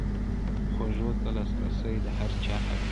خوړو ته لاسرسی د هر چا حق دی.